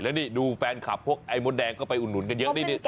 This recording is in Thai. แล้วนี่ดูแฟนคลับพวกไอ้มดแดงก็ไปอุดหนุนกันเยอะนี่